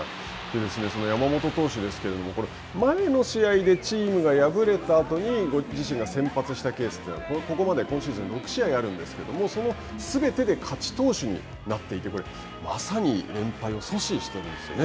その山本投手ですけれども、前の試合でチームが敗れたあとに自身が先発したケースというのは、ここまで今シーズン、６試合あるんですけれども、そのすべてで勝ち投手になっていて、まさに連敗を阻止してるんですよね。